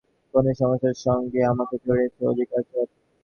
এই কি দাঁড়াচ্ছে না, যে, ওসমান গনির সমস্যার সঙ্গে আমাকে জড়িয়েছেন অধিকাচরণ।